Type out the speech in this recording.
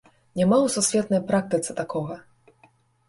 Няма ў сусветнай практыцы такога!